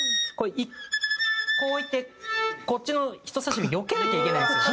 こう置いてこっちの人さし指よけなきゃいけないんですよ。